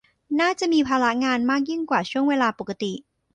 น่าจะมีภาระงานมากยิ่งกว่าช่วงเวลาปกติ